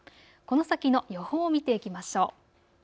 この先の予報を見ていきましょう。